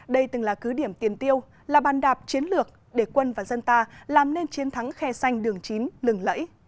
đây từng là cứ điểm tiền tiêu là bàn đạp chiến lược để quân và dân ta làm nên chiến thắng khe xanh đường chín lừng lẫy